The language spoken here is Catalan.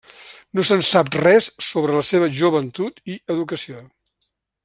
No se'n sap res sobre la seva joventut i educació.